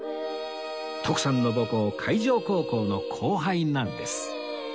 徳さんの母校海城高校の後輩なんです